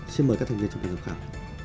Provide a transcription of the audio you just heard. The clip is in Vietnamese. xin mời các thành viên đoàn giám khảo